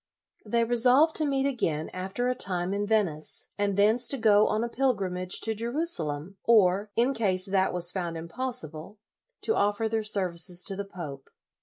They resolved to meet again after a time in Venice, and thence to go on a pilgrimage to Jerusalem, or, in case that was found impossible, to offer their services to the pope.